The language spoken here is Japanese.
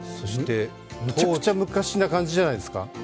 むちゃくちゃ昔な感じじゃないですか？